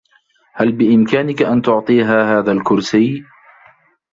هل بإمكانك أن تعطيها هذا الكرسي ؟